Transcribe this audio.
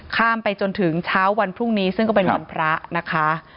ข้ามไปจนถึงเช้าวันพรุ่งนี้ซึ่งก็เป็นวันพระนะคะ